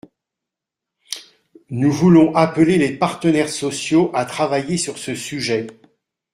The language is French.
Nous voulons appeler les partenaires sociaux à travailler sur ce sujet.